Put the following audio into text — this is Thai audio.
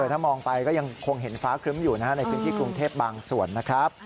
ถ้ามองไปก็ยังคงเห็นฟ้าครึ้มอยู่นะฮะในพื้นที่กรุงเทพบางส่วนนะครับ